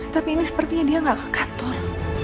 tapi ini sepertinya dia gak ke kantor